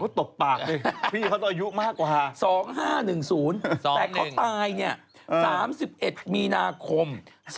ตบปากเลยพี่เขาต้องอายุมากกว่า๒๕๑๐แต่เขาตายเนี่ย๓๑มีนาคม๒๕๖